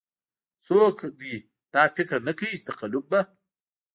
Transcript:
څوک دې دا فکر نه کوي چې تقلب به.